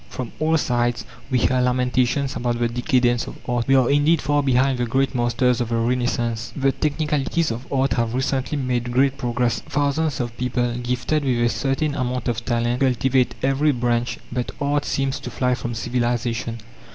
From all sides we hear lamentations about the decadence of art. We are, indeed, far behind the great masters of the Renaissance. The technicalities of art have recently made great progress; thousands of people gifted with a certain amount of talent cultivate every branch, but art seems to fly from civilization!